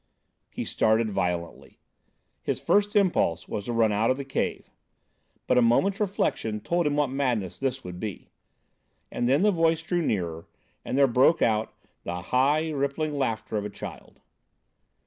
He started violently. His first impulse was to run out of the cave. But a moment's reflection told him what madness this would be. And then the voice drew nearer, and there broke out the high, rippling laughter of a child.